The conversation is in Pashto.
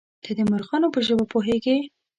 _ته د مرغانو په ژبه پوهېږې؟